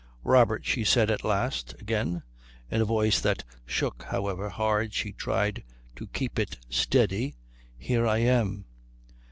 "Robert," she said at last again, in a voice that shook however hard she tried to keep it steady, "here I am."